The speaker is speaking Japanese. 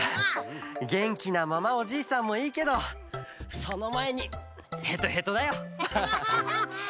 げんきなままおじいさんもいいけどそのまえにへとへとだよ。